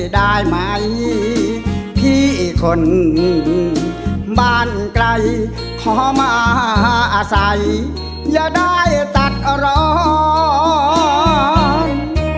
ได้ไหมพี่คนบ้านใกล้ขอมาใส่อย่าได้ตัดรอด